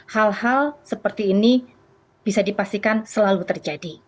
hal hal seperti ini bisa dipastikan selalu terjadi